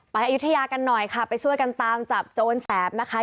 อายุทยากันหน่อยค่ะไปช่วยกันตามจับโจรแสบนะคะ